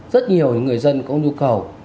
rất nhiều người dân cũng nhu cầu